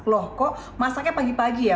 loh kok masaknya pagi pagi ya